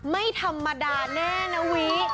ไม่ธรรมดาแน่นะวิ